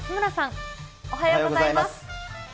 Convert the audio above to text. おはようございます。